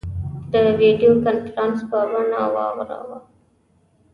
د ویډیو کنفرانس په بڼه واوراوه.